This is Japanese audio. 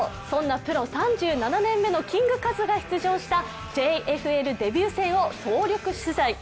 そんなプロ３７年目のキングカズが出場したＪＦＬデビュー戦を総力取材。